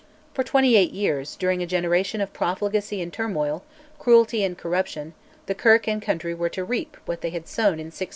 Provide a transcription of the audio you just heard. For twenty eight years, during a generation of profligacy and turmoil, cruelty and corruption, the Kirk and country were to reap what they had sown in 1638.